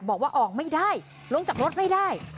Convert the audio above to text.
บอกว่าออกไม่ได้ลงจากรถไม่ได้